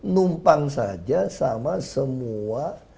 numpang saja sama semua